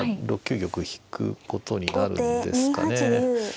６九玉引くことになるんですかね。